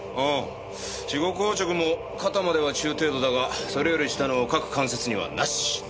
死後硬直も肩までは中程度だがそれより下の各関節にはなし。